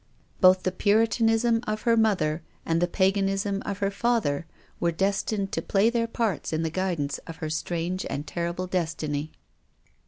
Both the Puritanism of her mother and the paganism of her father were destined to play their parts in the guidance of her strange and terrible destiny.